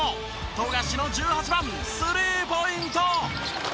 富樫の十八番スリーポイント！